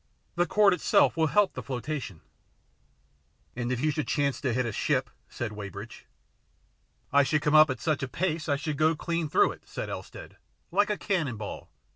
The cord itself will help the flotation." " And if you should chance to hit a ship ?" said Weybridge. " I should come up at such a pace, I should go clean through it," said Elstead, " like a cannon ball.